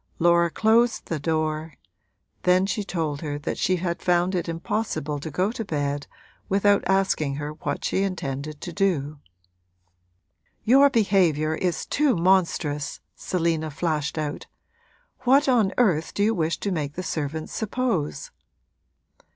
Laura closed the door; then she told her that she had found it impossible to go to bed without asking her what she intended to do. 'Your behaviour is too monstrous!' Selina flashed out. 'What on earth do you wish to make the servants suppose?'